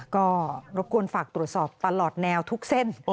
ก็รบกวนฝากตรวจสอบตลอดแนวทุกเส้น